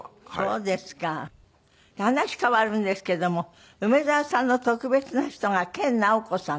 話変わるんですけども梅沢さんの特別な人が研ナオコさんだって。